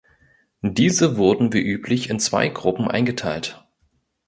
Diese wurden wie üblich in zwei Gruppen eingeteilt.